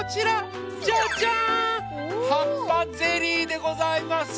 はっぱゼリーでございます！